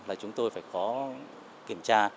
là chúng tôi phải có kiểm tra